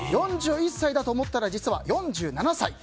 ４１歳だと思ったら実は４７歳。